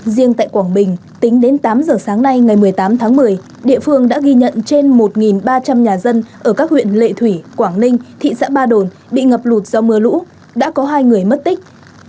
riêng tại quảng bình tính đến tám giờ sáng nay ngày một mươi tám tháng một mươi địa phương đã ghi nhận trên một ba trăm linh nhà dân ở các huyện lệ thủy quảng ninh thị xã ba đồn bị ngập lụt do mưa lũ đã có hai người mất tích